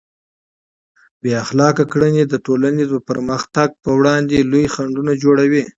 بې اخلاقه کړنې د ټولنې د پرمختګ پر وړاندې لوی خنډونه جوړوي.